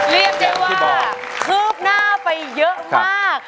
เรียบใจว่าเฮือบหน้าไปเยอะมาก